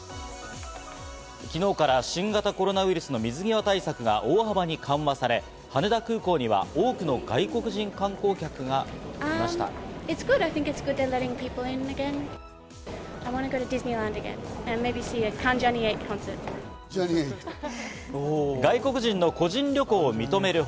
昨日から新型コロナウイルスの水際対策が大幅に緩和され、羽田空港には多くの外国人観光客がいました。